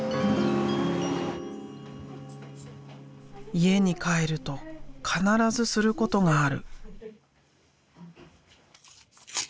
家に帰ると必ずすることがある。